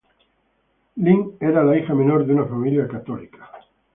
Lynn era la hija menor de una familia católica.